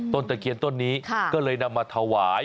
ตะเคียนต้นนี้ก็เลยนำมาถวาย